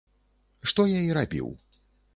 Што я і рабіў.